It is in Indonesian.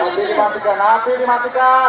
api dimatikan api dimatikan